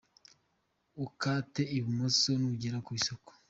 Ukate ibumoso n'ugera ku isoko.